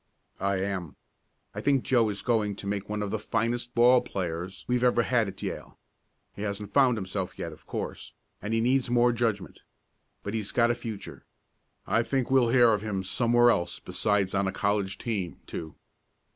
"I am. I think Joe is going to make one of the finest ball players we've ever had at Yale. He hasn't found himself yet, of course, and he needs more judgment. But he's got a future. I think we'll hear of him somewhere else besides on a college team, too."